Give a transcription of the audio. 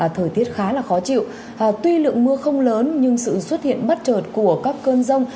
thời tiết khá là khó chịu tuy lượng mưa không lớn nhưng sự xuất hiện bất trợt của các cơn rông